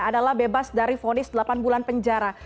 adalah bebas dari fonis delapan bulan penjara